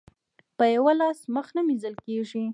په يوه لاس مخ نه مينځل کېږي.